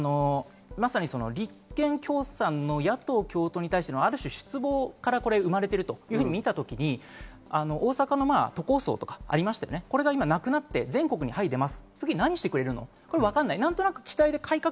まさに立憲・共産の野党共闘に対して、ある種、失望から生まれていると見たときに大阪の都構想とかありましたよね、これが今なくなって、全国に出ます。